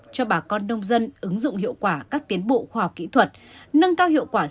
cho bà con nông dân ứng dụng hiệu quả các tiến bộ khoa học kỹ thuật nâng cao hiệu quả